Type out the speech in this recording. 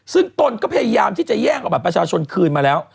ซึ่งตนก็พยายามที่จะแย่งเอาบัตรประชาชนคืนมาแล้ว